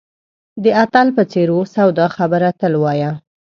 د اتل په څېر اوسه او دا خبره تل وایه.